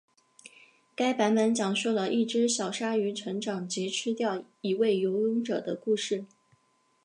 该版本讲述了一只小鲨鱼成长及吃掉一位游泳者的故事。